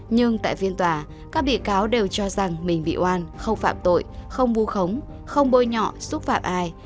nhưng tại phiên tòa các bị cáo đều cho rằng mình bị oan không phạm tội không vu khống không bôi nhọ xúc phạm ai